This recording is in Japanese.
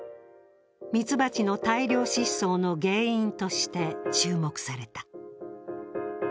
ミツバチの大量失踪の原因として注目された。